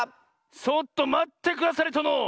ちょっとまってくだされとの！